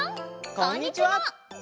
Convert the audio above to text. こんにちは！